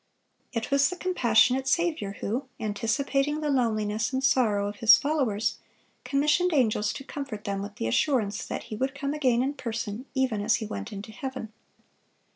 (565) It was the compassionate Saviour, who, anticipating the loneliness and sorrow of His followers, commissioned angels to comfort them with the assurance that He would come again in person, even as He went into heaven.